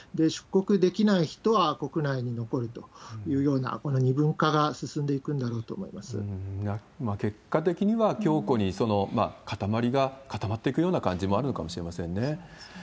出国できない人は国内に残るというような、この二分化が進んでい結果的には強固に、かたまりが固まっていくような感じがあるのかもしれませんね。